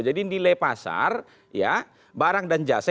jadi nilai pasar barang dan jasa itu